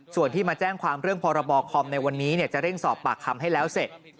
ส่วนที่มาแจ้งความเรื่องพรบคอมในวันนี้จะเร่งสอบปากคำให้แล้วเสร็จ